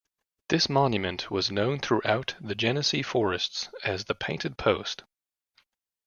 This monument was known throughout the Genesee Forests as 'The Painted Post.